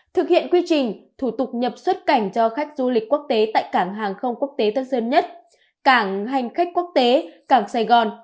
thực hiện quy trình thủ tục nhập xuất cảnh cho khách du lịch quốc tế tại cảng hàng không quốc tế tân sơn nhất cảng hành khách quốc tế cảng sài gòn